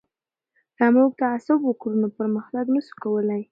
که موږ تعصب وکړو نو پرمختګ نه سو کولای.